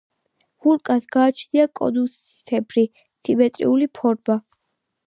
ვულკანს გააჩნია კონუსისებრი, სიმეტრიული ფორმა.